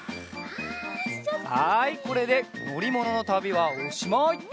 はいこれでのりもののたびはおしまい！